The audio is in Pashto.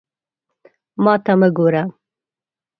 ما ته مه ګوره!